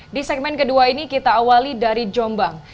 di segmen kedua ini kita awali dari jombang